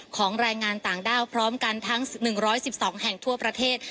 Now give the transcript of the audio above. แรงงานต่างด้าวพร้อมกันทั้ง๑๑๒แห่งทั่วประเทศ